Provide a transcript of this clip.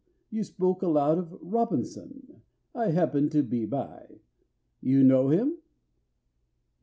You spoke aloud of ROBINSON—I happened to be by. You know him?"